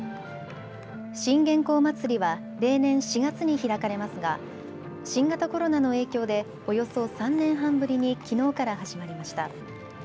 信玄公祭りは例年４月に開かれますが新型コロナの影響でおよそ３年半ぶりにきのうから始まりました。